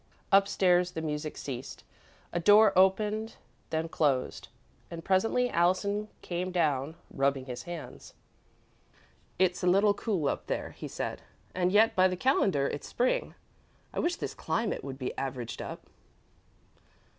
Upstairs the music ceased. A door opened, then closed, and presently Allison came down, rubbing his hands. "It's a little cool up there," he said, "and yet, by the calendar, it's Spring. I wish this climate could be averaged up."